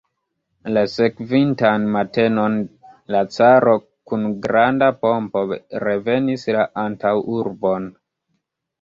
La sekvintan matenon la caro kun granda pompo revenis la antaŭurbon.